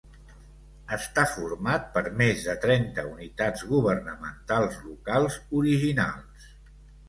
Està format per més de trenta unitats governamentals locals originals.